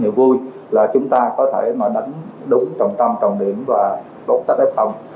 nhiều vui là chúng ta có thể mà đánh đúng trọng tâm trọng điểm và bốc tắt f